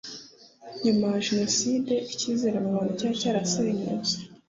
Nyuma ya Jenoside icyizere mu bantu cyari cyarasenyutse